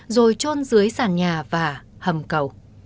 rồi trôn dưới sàn nhà và hầm cầu